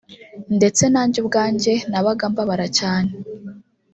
ndetse nanjye ubwanjye nabaga mbabara cyane